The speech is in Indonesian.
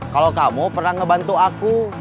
kalau kamu pernah ngebantu aku